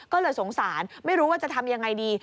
ก็เลยสงสารไม่รู้ว่าจะทำยังไงดี